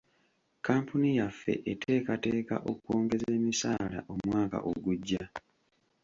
Kkampuni yaffe eteekateeka okwongeza emisaala omwaka ogujja.